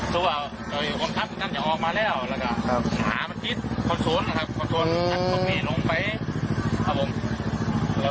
ถึงว่ามันจะออกมาแล้ว